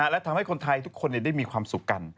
และทำให้คนไทยทุกคนได้มีความสุขกัน